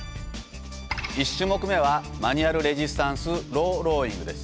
１種目目はマニュアルレジスタンスロウローイングです。